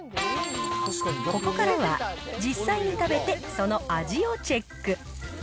ここからは、実際に食べてその味をチェック。